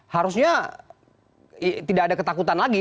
harusnya tidak ada ketakutan lagi